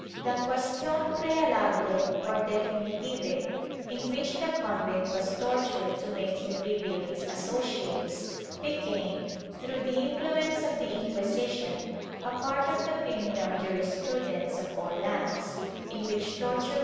^ The question prealable or definitive, in which the convict was tortured to make him reveal his asso ciates, became, through the influence of the Inquisition, a part of the criminal jurisprudence of all lands in which torture was ' Rojas de Hseret.